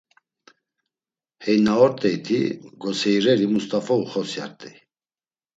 Hey na ort̆eyti, goseireri Must̆afa uxosyart̆ey.